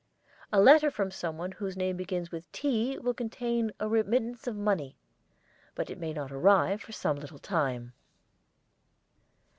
A letter from someone whose name begins with 'T' will contain a remittance of money, but it may not arrive for some little time.